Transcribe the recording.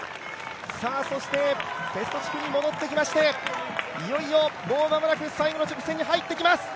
そしてペスト地区に戻ってきまして、もう間もなく最後の直線に入っていきます。